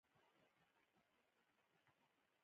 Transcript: او همداسې کله چې د خبرو پر وخت خپل احساس بیانوي